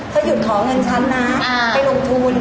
ถ้าหยุดขอเงินฉันนะไปลงทุน